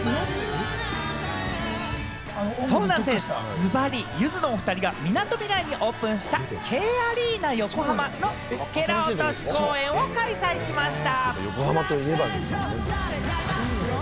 ズバリ、ゆずのおふたりが、みなとみらいにオープンしたＫアリーナ横浜のこけら落とし公演を開催しました。